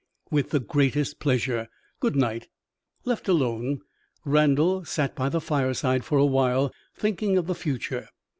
"With the greatest pleasure. Good night." Left alone, Randal sat by the fireside for a while, thinking of the future.